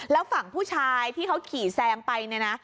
แล้วฝั่งผู้ชายที่เขาขี่แซงไปเนี่ยนะ